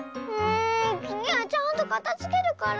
つぎはちゃんとかたづけるから。